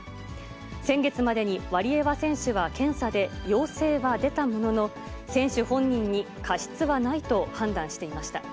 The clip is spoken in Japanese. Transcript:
先月までにワリエワ選手は検査で陽性は出たものの、選手本人に過失はないと判断していました。